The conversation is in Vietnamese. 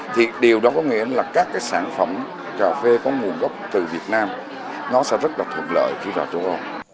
thì điều đó có nghĩa là các cái sản phẩm cà phê có nguồn gốc từ việt nam nó sẽ rất là thuận lợi khi vào châu âu